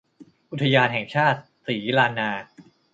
อุทยานแห่งชาติศรีลานนา